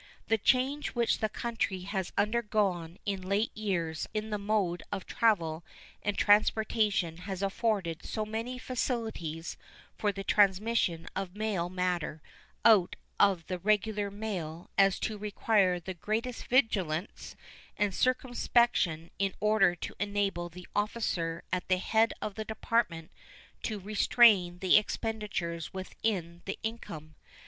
The change which the country has undergone of late years in the mode of travel and transportation has afforded so many facilities for the transmission of mail matter out of the regular mail as to require the greatest vigilance and circumspection in order to enable the officer at the head of the Department to restrain the expenditures within the income.